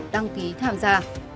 đăng ký tham gia